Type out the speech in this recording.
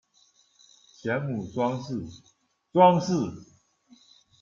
前母庄氏；庄氏。